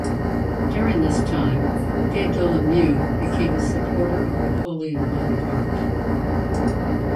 During this time De Dolomieu became a supporter of Napoleon Bonaparte.